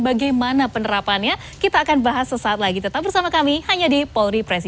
bagaimana penerapannya kita akan bahas sesaat lagi tetap bersama kami hanya di polri